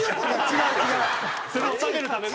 違う。